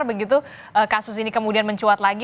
begitu kasus ini kemudian mencuat lagi